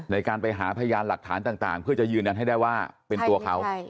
ในการไปหาพยานหลักฐานต่างเพื่อจะยืนยันให้ได้ว่าเป็นตัวเขา